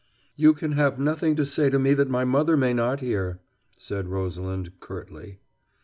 "You can have nothing to say to me that my mother may not hear," said Rosalind curtly.